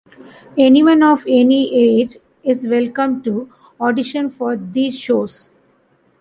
Anyone of any age is welcome to audition for these shows.